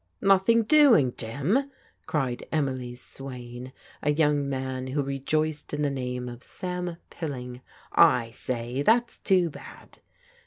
"Nothing doing, Jim?" cried Emily's swain, a young man who rejoiced in the name of Sam Pilling. " I say, that's too bad."